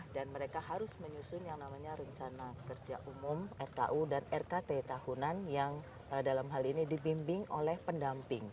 mereka harus menyusun yang namanya rencana kerja umum rku dan rkt tahunan yang dalam hal ini dibimbing oleh pendamping